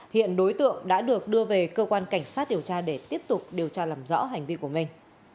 hiện đối tượng đã được đưa về cơ quan cảnh sát điều tra để tiếp tục điều tra làm rõ hành vi của mình